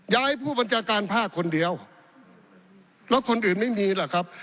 ย้ายผู้บัญชาการภาคคนเดียวแล้วคนอื่นไม่มีล่ะครับ